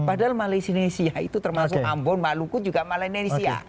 padahal malenisia itu termasuk ambon maluku juga malenisia